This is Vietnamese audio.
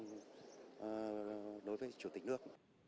đối với chủ tịch nước